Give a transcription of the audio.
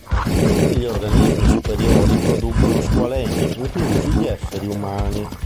Tutti gli organismi superiori producono squalene, inclusi gli esseri umani.